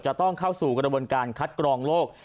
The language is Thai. จะต้องเข้าสู่กระบวนการคัดกรองโรค